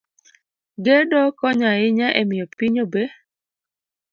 Gedo konyo ahinya e miyo piny obe